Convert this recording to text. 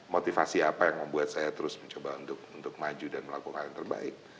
motivasi apa yang membuat saya terus mencoba untuk maju dan melakukan hal yang terbaik